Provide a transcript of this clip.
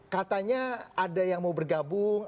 katanya ada yang mau bergabung